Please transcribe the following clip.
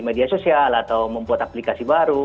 media sosial atau membuat aplikasi baru